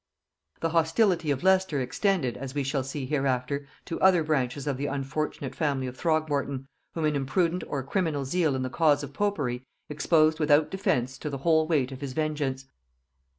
The hostility of Leicester extended, as we shall see hereafter, to other branches of the unfortunate family of Throgmorton, whom an imprudent or criminal zeal in the cause of popery exposed without defence to the whole weight of his vengeance.